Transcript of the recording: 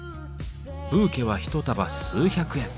ブーケは一束数百円。